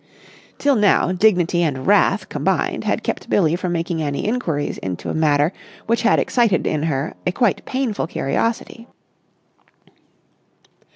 Till now dignity and wrath combined had kept Billie from making any inquiries into a matter which had excited in her a quite painful curiosity.